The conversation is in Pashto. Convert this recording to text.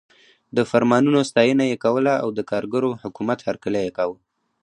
د فرمانونو ستاینه یې کوله او د کارګرو حکومت هرکلی یې کاوه.